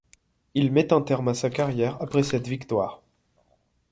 Il met un terme à sa carrière après cette victoire.